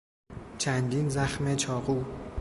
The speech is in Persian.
چندین زخم چاقو